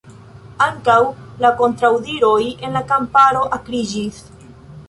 Ankaŭ la kontraŭdiroj en la kamparo akriĝis.